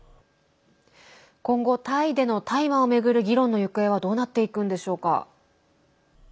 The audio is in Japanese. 今後、タイでの大麻を巡る議論の行方はどうなっていくんでしょうか。